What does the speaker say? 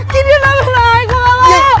ki dia nangis